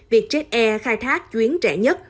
việc jet air khai thác chuyến trẻ nhất